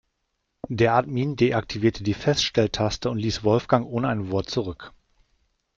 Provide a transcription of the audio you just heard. Der Admin deaktivierte die Feststelltaste und ließ Wolfgang ohne ein Wort zurück.